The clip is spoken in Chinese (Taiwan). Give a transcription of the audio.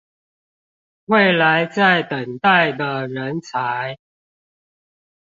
未來在等待的人才